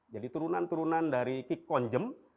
jadi turunan turunan dari kikonjem